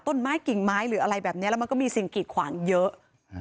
ต้นไม้กิ่งไม้หรืออะไรแบบนี้แล้วมันก็มีสิ่งกีดขวางเยอะ